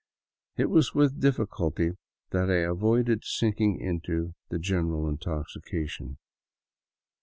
It was with difficulty that I avoided sinking into the general intoxication.